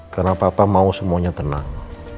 karena papa mau semuanya tenang